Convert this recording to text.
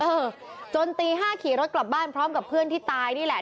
เออจนตี๕ขี่รถกลับบ้านพร้อมกับเพื่อนที่ตายนี่แหละ